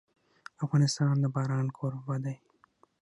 افغانستان د باران کوربه دی.